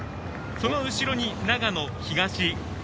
その後ろに長野東。